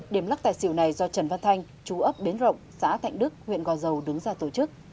điểm lắc tài xỉu này do trần văn thanh chú ấp bến rộng xã thạnh đức huyện gò dầu đứng ra tổ chức